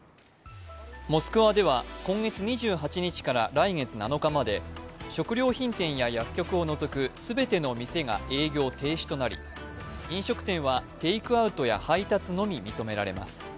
モスクワでは今月２８日から来月７日まで食料品店や薬局を除く全ての店が営業停止となり飲食店はテイクアウトや配達のみ認められます。